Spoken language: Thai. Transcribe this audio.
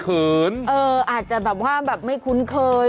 เอออาจจะแบบว่าไม่คุ้นเคย